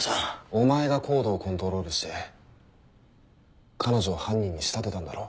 お前がＣＯＤＥをコントロールして彼女を犯人に仕立てたんだろ？